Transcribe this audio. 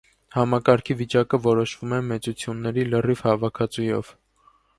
Համակարգի վիճակը որոշվում է մեծությունների լրիվ հավաքածուով։